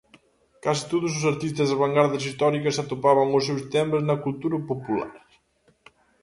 Case todos os artistas das vangardas históricas atopaban os seus temas na cultura popular.